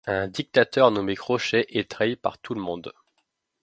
Un dictateur nommé Crochet est trahi par tout le monde.